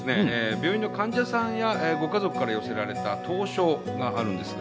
病院の患者さんやご家族から寄せられた投書があるんですが。